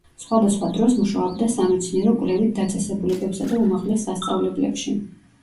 სხვადასხვა დროს მუშაობდა სამეცნიერო-კვლევით დაწესებულებებსა და უმაღლეს სასწავლებლებში.